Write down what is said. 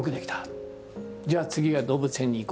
じゃあ次は動物園に行こう」とか。